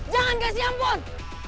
jangan kasih ampun